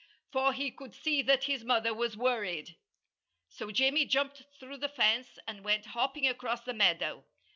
For he could see that his mother was worried. So Jimmy jumped through the fence and went hopping across the meadow.